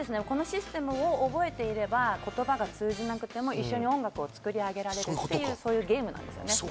このシステムを覚えていれば、言葉が通じなくても一緒に音楽を作り上げられるという、そういうゲームなんですね。